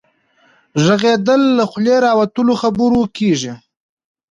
ږغيدل له خولې د راوتلو خبرو کيږي.